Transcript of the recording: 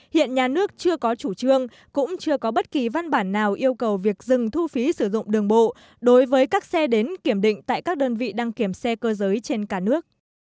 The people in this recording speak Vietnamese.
hiện nhà nước chưa có chủ trương cũng chưa có bất kỳ văn bản nào yêu cầu việc dừng thu phí sử dụng đường bộ đối với các xe đến kiểm định tại các đơn vị đăng kiểm xe cơ giới trên cả nước